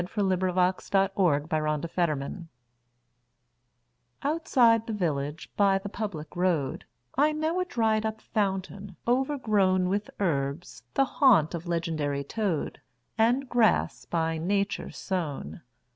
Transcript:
Robert Leighton 1822–69 The Dried up Fountain OUTSIDE the village, by the public road,I know a dried up fountain, overgrownWith herbs, the haunt of legendary toad, And grass, by Nature sown.